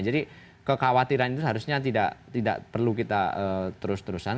jadi kekhawatiran itu seharusnya tidak perlu kita terus terusan